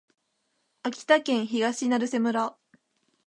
秋田県東成瀬村